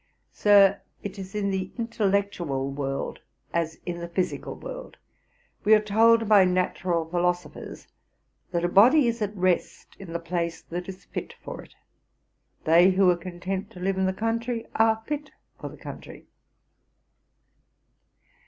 'Sir, it is in the intellectual world as in the physical world; we are told by natural philosophers that a body is at rest in the place that is fit for it; they who are content to live in the country, are fit for the country.'